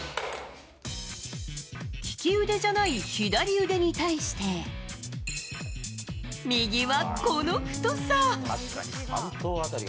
利き腕じゃない左腕に対して右は、この太さ。